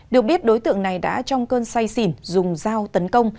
được biết đối tượng này đã trong cơn say xỉn dùng dao tấn công